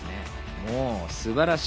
もう素晴らしい。